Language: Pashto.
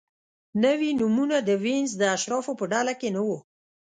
نوي نومونه د وینز د اشرافو په ډله کې نه وو.